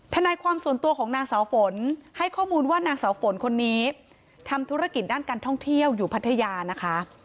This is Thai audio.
ทนายความส่วนตัวของนางสาวฝนให้ข้อมูลว่านางสาวฝนคนนี้ทำธุรกิจด้านการท่องเที่ยวอยู่พัทยานะคะ